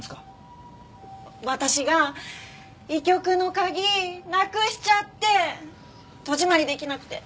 私が医局の鍵なくしちゃって戸締まり出来なくて。